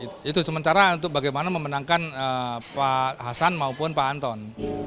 itu sementara untuk bagaimana memenangkan pak hasan maupun pak anton